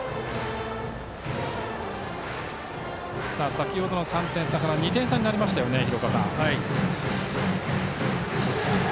先ほどの３点差から２点差になりました、廣岡さん。